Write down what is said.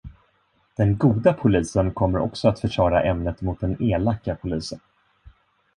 Den goda polisen kommer också att försvara ämnet mot den elaka polisen.